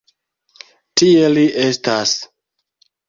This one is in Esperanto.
Tie li estas.